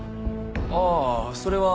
ああそれは。